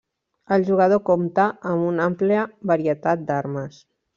El jugador compta amb una àmplia varietat d'armes.